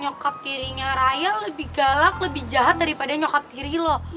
nyokap dirinya raya lebih galak lebih jahat daripada nyokap diri lo